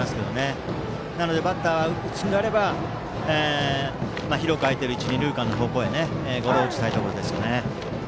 バッターは打つのであれば広く開いている一、二塁間へボールを打ちたいところです。